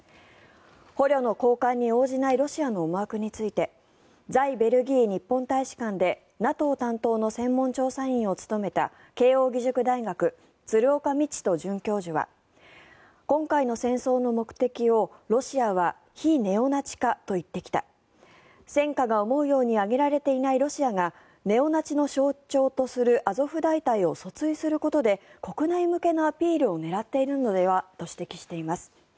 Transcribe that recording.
捕虜の交換に応じないロシアの思惑について在ベルギー日本大使館でＮＡＴＯ担当の専門調査員を務めた慶応義塾大学鶴岡路人准教授は今回の戦争の目的をロシアは非ネオナチ化と言ってきた戦果が思うように上げられていないロシアがネオナチの象徴とするアゾフ大隊を訴追することで国内向けのアピールを狙っているのではと指摘しています。